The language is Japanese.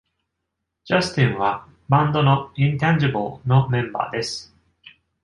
Justin は、バンドの Intangible のメンバーです。